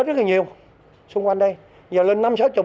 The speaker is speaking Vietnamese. nhập khẩu không phải trắng nuốt được